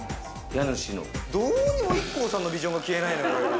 どうにもＩＫＫＯさんのビジョンが消えないのよ。